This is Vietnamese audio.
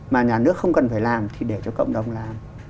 mà nhà nước không cần phải làm thì để cho cộng đồng làm